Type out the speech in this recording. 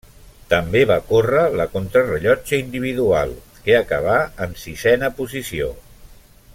També va córrer la contrarellotge individual, que acabà en sisena posició.